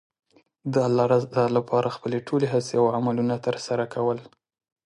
د الله رضا لپاره خپلې ټولې هڅې او عملونه ترسره کول.